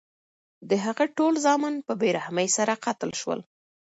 د هغه ټول زامن په بې رحمۍ سره قتل شول.